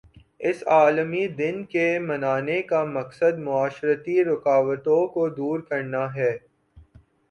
اس عالمی دن کے منانے کا مقصد معاشرتی رکاوٹوں کو دور کرنا ہے